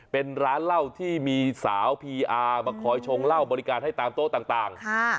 เป็นร้านเหล้าที่มีสาวพีอาร์มาคอยชงเหล้าบริการให้ตามโต๊ะต่าง